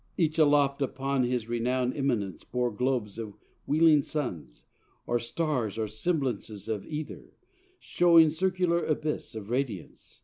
Each aloft Upon his renown'd Eminence bore globes Of wheeling suns, or stars, or semblances Of either, showering circular abyss Of radiance.